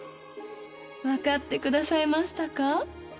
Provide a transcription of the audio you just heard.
わかってくださいましたか？